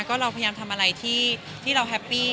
ก็เราพยายามทำอะไรที่เราแฮปปี้